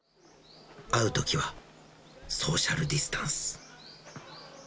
会うときは、ソーシャルディスタンス。